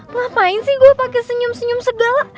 ngapain sih gue pakai senyum senyum segala